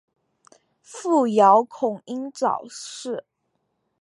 父姚孔瑛早逝。